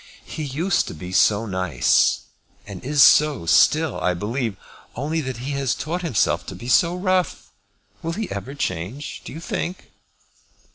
"He used to be so nice; and is so still, I believe, only that he has taught himself to be so rough. Will he ever change, do you think?"